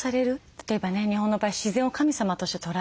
例えばね日本の場合自然を神様として捉える。